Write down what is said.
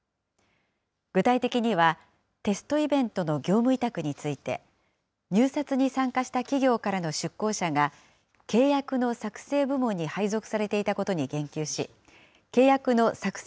具体的には、テストイベントの業務委託について、入札に参加した企業からの出向者が、契約の作成部門に配属されていたことに言及し、契約の作成